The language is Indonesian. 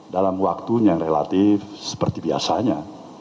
dalam waktu yang relatif seperti biasanya